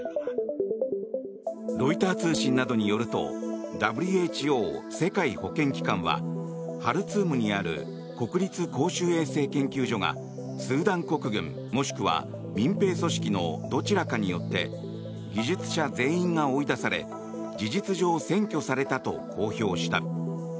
ロイター通信などによるとＷＨＯ・世界保健機関はハルツームにある国立公衆衛生研究所がスーダン国軍もしくは民兵組織のどちらかによって技術者全員が追い出され事実上、占拠されたと公表した。